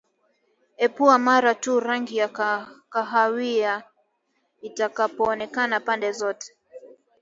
epua mara tu rangi ya kahawia itakapoonekana pande zote